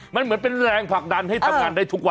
มันเหมือนเป็นแรงผลักดันให้ทำงานได้ทุกวัน